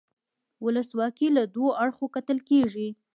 ولسواکي له دوو اړخونو کتل کیږي.